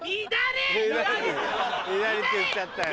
左って言っちゃったよ。